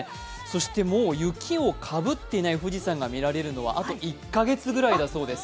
もう雪をかぶっていない富士山を見られるのは、あと１か月ぐらいだそうで。